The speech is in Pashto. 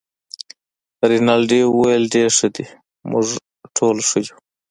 رینالډي وویل: ډیر ښه دي، موږ ټوله ښه یو.